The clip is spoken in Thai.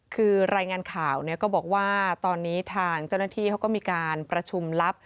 คือรายงานข่าวเนี่ยก็บอกว่าตอนนี้ทางเจ้าหน้าที่เขาก็มีการประชุมลับ